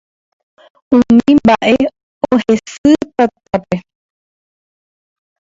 Umi mbaʼe ohesy tatápe.